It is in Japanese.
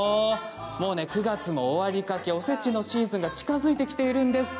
９月も終わりかけ、おせちのシーズンが近づいているんです。